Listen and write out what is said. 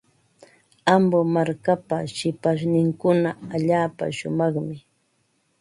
Ambo markapa shipashninkuna allaapa shumaqmi.